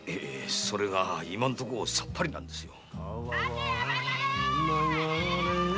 それが今のところさっぱりなんですよ。